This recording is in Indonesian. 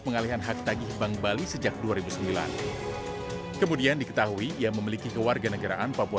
pengalihan hak tagih bank bali sejak dua ribu sembilan kemudian diketahui ia memiliki kewarganegaraan papua